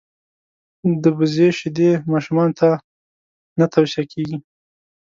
دبزې شیدي ماشومانوته نه تو صیه کیږي.